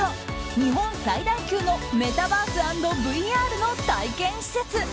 日本最大級のメタバース＆ＶＲの体験施設。